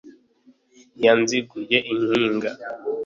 Ya Nziguye- inkiga,